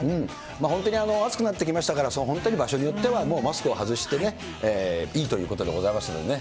本当に暑くなってきましたから、本当に場所によってはもうマスクを外していいということでございますんでね。